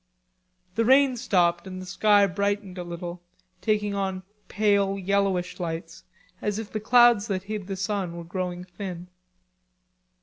The rain stopped and the sky brightened a little, taking on pale yellowish lights as if the clouds that hid the sun were growing thin.